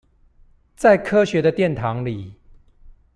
在科學的殿堂裡